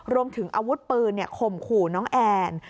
รวมถึงอาวุธปืนข่มขู่น้องแอน